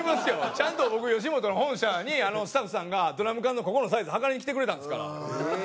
ちゃんと僕吉本の本社にスタッフさんがドラム缶のここのサイズ測りに来てくれたんですから。